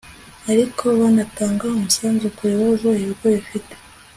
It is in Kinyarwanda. ariko banatanga umusanzu ku bibazo ikigo gifite